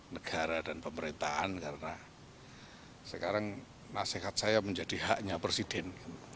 negara dan pemerintahan karena sekarang nasihat saya menjadi haknya presiden